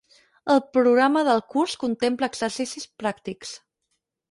El programa del curs contempla exercicis pràctics.